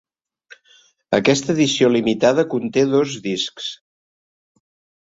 Aquesta Edició Limitada conté dos discs.